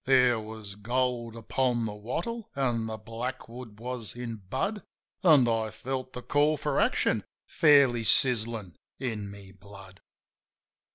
There was gold upon the wattle an' the blackwood was in bud, An' I felt the call for action fairly sizzin' in my blood.